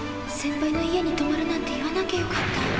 センパイの家にとまるなんて言わなきゃよかった。